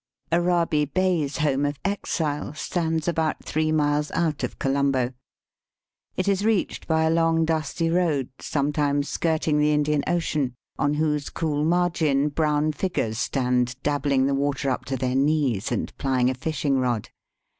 Arabi Bey's home of exile stands about three miles out of Colombo. It is reached by a long dusty road, sometimes skirting the Indian Ocean, on whose cool margin brown figures stand dabbhng the water up to their knees, and plying a fishing rod.